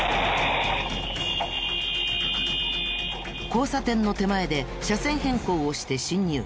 交差点の手前で車線変更をして進入。